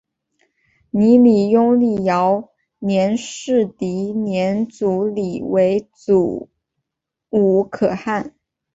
泥礼拥立遥辇氏迪辇组里为阻午可汗。